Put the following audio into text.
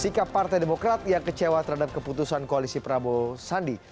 sikap partai demokrat yang kecewa terhadap keputusan koalisi prabowo sandi